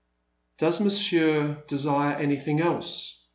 "Does Monsieur desire anything else?"